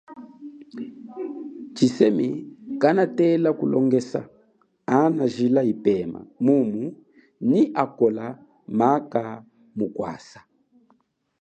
Tshisemi kanatela kulongesa ana jila ipema mumu nyi akola maka mukwasa.